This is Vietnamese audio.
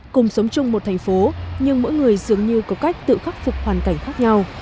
cùng sống chung một thành phố nhưng mỗi người dường như có cách tự khắc phục hoàn cảnh khác nhau